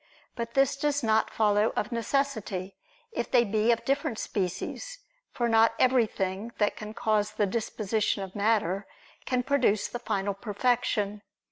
But this does not follow of necessity, if they be of different species: for not everything, that can cause the disposition of matter, can produce the final perfection.